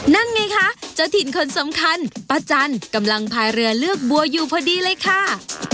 นั่นไงคะเจ้าถิ่นคนสำคัญป้าจันกำลังพายเรือเลือกบัวอยู่พอดีเลยค่ะ